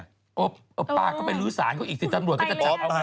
อ๋อหมอป้าก็ไปลื้อสารเขาอีกสิตำรวจก็จะจับ